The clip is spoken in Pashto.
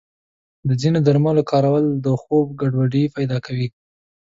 د ځینو درملو کارول د خوب ګډوډي پیدا کوي.